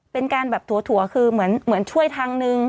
เป็นการแบบถั่วคือเหมือนช่วยทางนึง